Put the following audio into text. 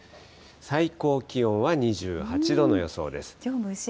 最高気温は２８度の予想です。